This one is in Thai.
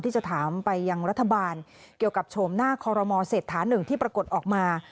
ที่จะถามไปยังรัฐบาลเกี่ยวกับโฉมหน้าคอรมอเศรษฐาหนึ่งที่ปรากฏออกมา